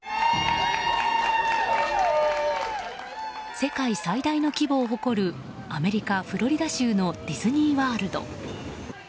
世界最大の規模を誇るアメリカ・フロリダ州のディズニーワールド。